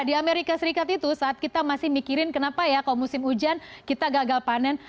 di amerika serikat itu saat kita masih mikirin kenapa ya kalau musim hujan kita gagal panen